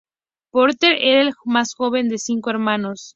Porter era el más joven de cinco hermanos.